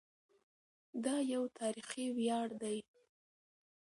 دا یو تاریخي ویاړ دی.